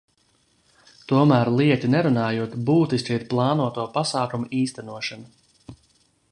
Tomēr, lieki nerunājot, būtiska ir plānoto pasākumu īstenošana.